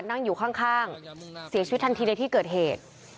นั่งอยู่ข้างเสียชีวิตทันทีในที่เกิดเหตุ